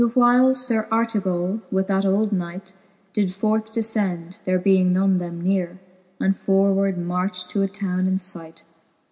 The whyles Sir Artegally with that old knight Did forth delcend, there being none them nearo. And forward marched to a towne In fight.